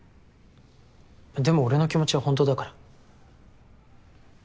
でも俺の気持ちはホントだから。